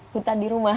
kutan di rumah